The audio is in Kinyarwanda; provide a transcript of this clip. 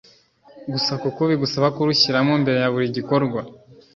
Gusa kuko bigusaba kurushyiramo mbere ya buri gikorwa